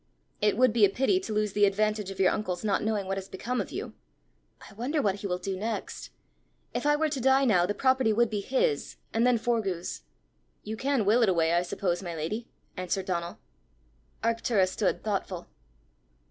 "It would be a pity to lose the advantage of your uncle's not knowing what has become of you." "I wonder what he will do next! If I were to die now, the property would be his, and then Forgue's!" "You can will it away, I suppose, my lady!" answered Donal. Arctura stood thoughtful.